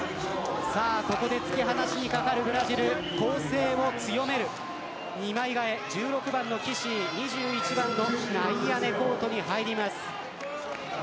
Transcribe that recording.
ここで突き放しにかかるブラジル攻勢を強める２枚代え１６番のキシー２１番のナイアネがコートに入ります。